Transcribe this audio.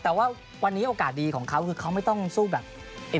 แต่ว่าวันนี้โอกาสดีของเขาคือเขาไม่ต้องสู้แบบ